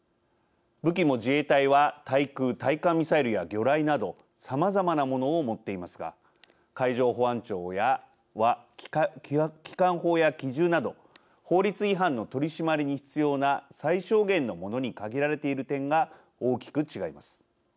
武器も自衛隊は対空・対艦ミサイルや魚雷などさまざまなものを持っていますが海上保安庁は機関砲や機銃など法律違反の取締りに必要な最小限のものに限られている点が大きく違います。